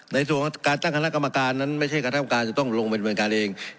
ในส่วนของการตั้งคณะกรรมการนั้นไม่ใช่คณะกรรมการจะต้องลงเป็นบริเวณการเอง